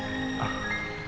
loh kalian di sini